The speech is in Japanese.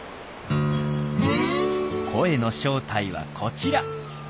声の正体はこちら。